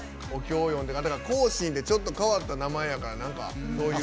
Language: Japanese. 香信ってちょっと変わった名前やからなんか、そういう？